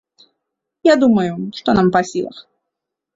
Я думаю, што нам па сілах.